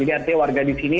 jadi artinya warga di sini